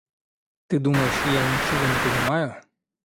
Ты думаешь, я ничего не понимаю?